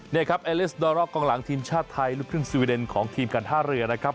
นี่ครับเอเลสดอรอลกองหลังทีมชาติไทยลูกครึ่งสวีเดนของทีมการท่าเรือนะครับ